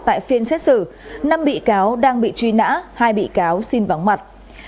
tại phiên xét xử năm bị cáo đang bị truy nã hai bị cáo xin vắng mặt